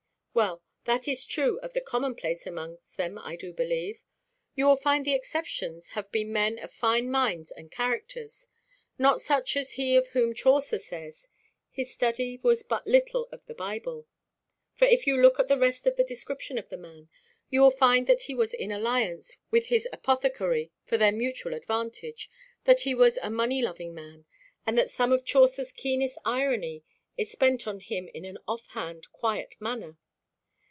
"Well, that is true of the commonplace amongst them, I do believe. You will find the exceptions have been men of fine minds and characters not such as he of whom Chaucer says, 'His study was but little on the Bible;' for if you look at the rest of the description of the man, you will find that he was in alliance with his apothecary for their mutual advantage, that he was a money loving man, and that some of Chaucer's keenest irony is spent on him in an off hand, quiet manner.